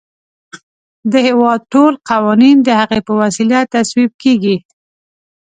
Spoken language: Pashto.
د هیواد ټول قوانین د هغې په وسیله تصویب کیږي.